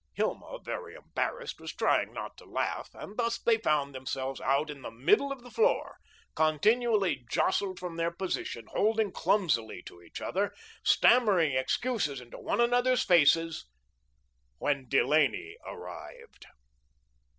Hilma, very embarrassed, was trying not to laugh, and thus they found themselves, out in the middle of the floor, continually jostled from their position, holding clumsily to each other, stammering excuses into one another's faces, when Delaney arrived.